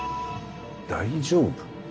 大丈夫？